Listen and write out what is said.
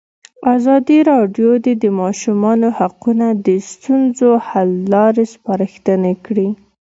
ازادي راډیو د د ماشومانو حقونه د ستونزو حل لارې سپارښتنې کړي.